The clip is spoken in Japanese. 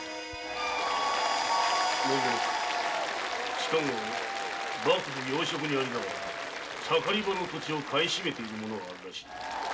近ごろ幕府要職にありながら盛り場の土地を買い占めている者があるらしい。